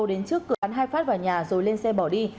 đến trước cửa hai phát vào nhà rồi lên xe bỏ đi